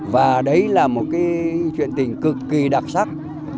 và đấy là một cái chuyện tình cực kỳ đặc sắc